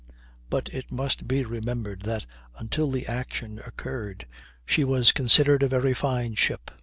But it must be remembered that until the action occurred she was considered a very fine ship.